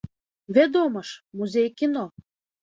Вядома ж, музей кіно.